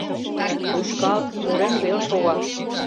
Лӱшкалт, мурен вел шога;